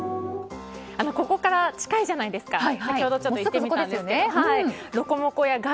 ここから近いじゃないですか先ほど行ってみたんですが。